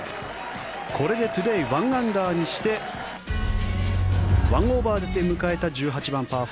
これでトゥデー１アンダーにして１オーバーで迎えた１８番、パー５。